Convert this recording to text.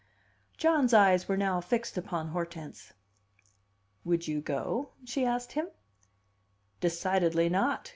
John's eyes were now fixed upon Hortense. "Would you go?" she asked him "Decidedly not!"